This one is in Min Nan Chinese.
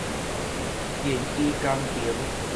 電機工程